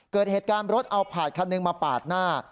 เกิดเหตุการณ์รถเอาผาดคันหนึ่งมาปาดหน้า